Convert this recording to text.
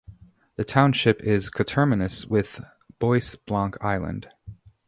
The township is coterminous with Bois Blanc Island.